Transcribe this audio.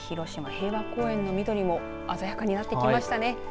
広島平和公園の緑も鮮やかになってきましたね。